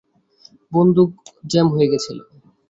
বন্দুক জ্যাম হয়ে গেছিল।